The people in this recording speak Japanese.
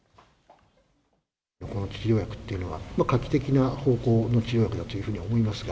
この治療薬というのは、画期的な方法の治療薬だというふうに思いますが。